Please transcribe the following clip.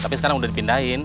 tapi sekarang udah dipindahin